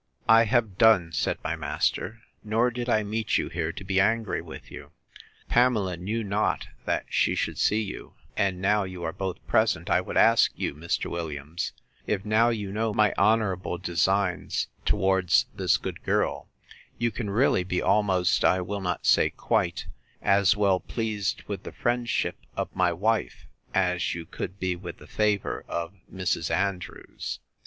I have done, said my master; nor did I meet you here to be angry with you. Pamela knew not that she should see you: and now you are both present, I would ask you, Mr. Williams, If, now you know my honourable designs towards this good girl, you can really be almost, I will not say quite, as well pleased with the friendship of my wife, as you could be with the favour of Mrs. Andrews?